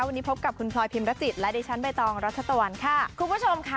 วันนี้พบกับคุณพลอยพิมรจิตและดิฉันใบตองรัชตะวันค่ะคุณผู้ชมค่ะ